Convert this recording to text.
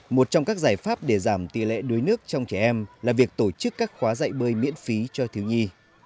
một trong các giải pháp để giảm tỷ lệ đuối nước trong trẻ em là việc tổ chức các khóa dạy bơi miễn phí cho thiếu nhi